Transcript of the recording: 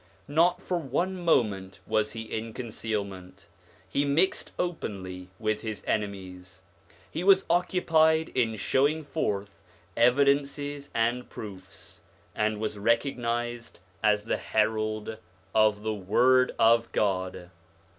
Not for one moment was he in concealment ; he mixed openly with his enemies. He was occupied in showing forth evidences and proofs, and was recognised as the herald of the word of God.